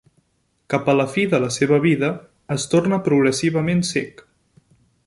Cap a la fi de la seva vida, es torna progressivament cec.